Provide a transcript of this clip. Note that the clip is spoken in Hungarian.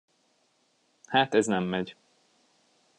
Hát ez nem megy.